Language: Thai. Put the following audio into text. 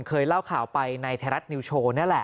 เคยเล่าข่าวไปในไทยรัฐนิวโชว์นี่แหละ